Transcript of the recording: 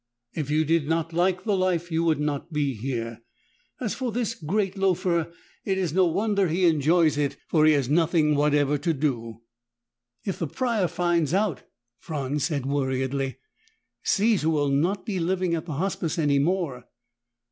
"If you did not like the life, you would not be here. As for this great loafer, it is no wonder he enjoys it, for he has nothing whatever to do." "If the Prior finds out," Franz said worriedly, "Caesar will not be living at the Hospice any more."